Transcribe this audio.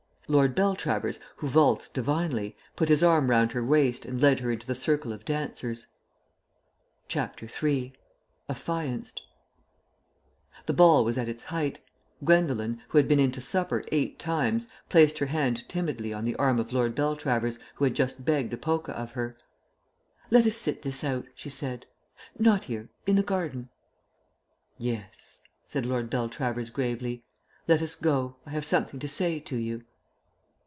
Lord Beltravers, who valsed divinely, put his arm round her waist and led her into the circle of dancers. CHAPTER III AFFIANCED The ball was at its height. Gwendolen, who had been in to supper eight times, placed her hand timidly on the arm of Lord Beltravers, who had just begged a polka of her. "Let us sit this out," she said. "Not here in the garden." "Yes," said Lord Beltravers gravely. "Let us go. I have something to say to you."